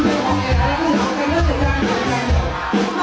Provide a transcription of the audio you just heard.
ทุกที่ว่าใช่ไหม